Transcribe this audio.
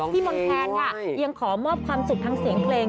ที่มนต์แทนยังขอมอบความสุขทางเสียงเพลง